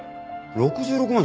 ６６万